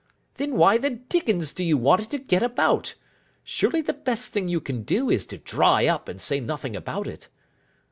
"Then why the dickens do you want it to get about? Surely the best thing you can do is to dry up and say nothing about it."